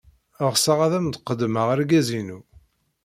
Ɣseɣ ad am-d-qeddmeɣ argaz-inu.